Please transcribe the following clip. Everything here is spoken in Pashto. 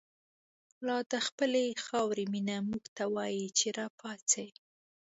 لادخپلی خاوری مینه، موږ ته وایی چه راپاڅئ